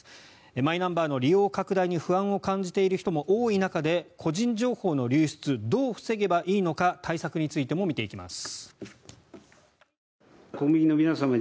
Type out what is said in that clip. マイナンバーの利用拡大に不安を感じている人も多い中で個人情報の流出をどう防げばいいのか対策についても見ていきます。